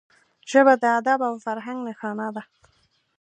ژبه د ادب او فرهنګ نښانه ده